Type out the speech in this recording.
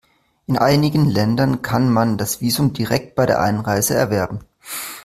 In einigen Ländern kann man das Visum direkt bei der Einreise erwerben.